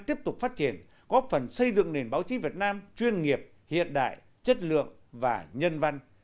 tiếp tục phát triển góp phần xây dựng nền báo chí việt nam chuyên nghiệp hiện đại chất lượng và nhân văn